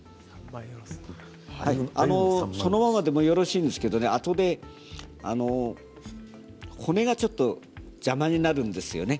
そのままでもよろしいんですけれどもあとで骨がちょっと邪魔になるんですよね。